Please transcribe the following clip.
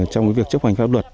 trong việc chấp hành pháp luật